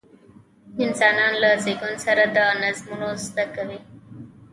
انسانان له زېږون سره دا نظمونه زده کوي.